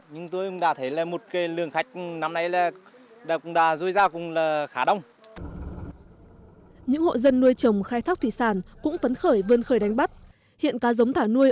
những hộ dân nuôi trồng khai thác thủy sản cũng phấn khởi vươn khơi đánh bắt hiện cá giống thả nuôi